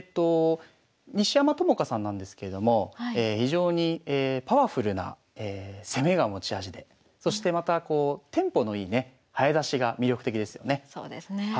西山朋佳さんなんですけれども非常にパワフルな攻めが持ち味でそしてまたこうテンポのいいね早指しが魅力的ですよね。